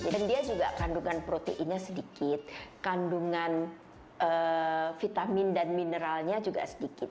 dan dia juga kandungan proteinnya sedikit kandungan vitamin dan mineralnya juga sedikit